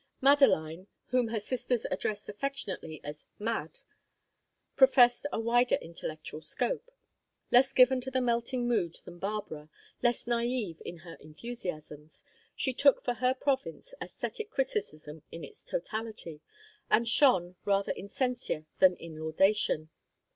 Madeline whom her sisters addressed affectionately as "Mad" professed a wider intellectual scope; less given to the melting mood than Barbara, less naive in her enthusiasms, she took for her province aesthetic criticism in its totality, and shone rather in censure than in laudation.